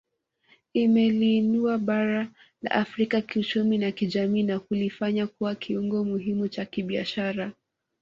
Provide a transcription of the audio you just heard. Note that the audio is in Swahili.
Imeliinua bara la Afrika kiuchumi na kijamii na kulifanya kuwa kiungo muhimu cha kibiashara